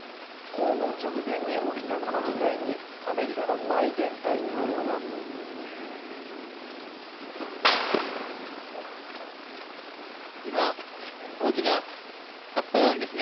訪問直前に起きたこの事態にアメリカのバイデン大統領は今、大きな発砲音ですね